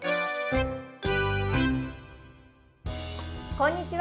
こんにちは。